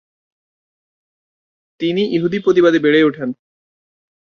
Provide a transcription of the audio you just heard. তিনি ইহুদি পরিবারে বেড়ে ওঠেন।